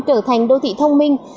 trở thành đô thị thông minh